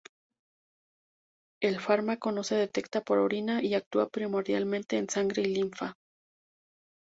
El fármaco no se detecta por orina y actúa primordialmente en sangre y linfa.